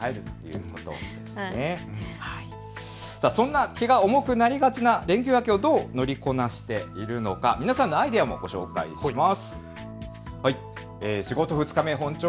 そんな気が重くなりがちな連休明けをどう乗りこなしているのか皆さんのアイデアもご紹介します。